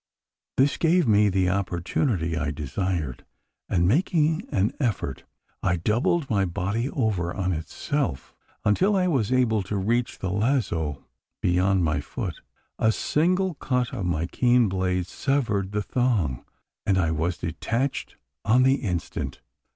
This gave me the opportunity I desired; and, making an effort, I doubled my body over on itself until I was able to reach the lazo beyond my foot. A single cut of my keen blade severed the thong; and I was detached on the instant.